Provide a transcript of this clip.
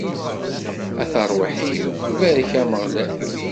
A tarwiḥt-iw, barek Ameɣlal.